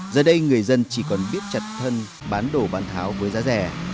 giờ đây người dân chỉ còn biết chặt thân bán đồ bán tháo với giá rẻ